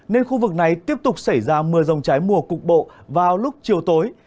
nên khu vực này tiếp tục xảy ra mưa rông trái mùa cục bộ vào lúc chiều tối